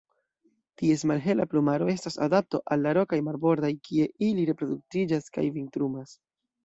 Ties malhela plumaro estas adapto al la rokaj marbordaj kie ili reproduktiĝas kaj vintrumas.